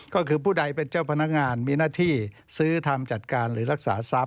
ก็คือผู้ใดเป็นเจ้าพนักงานมีหน้าที่ซื้อทำจัดการหรือรักษาทรัพย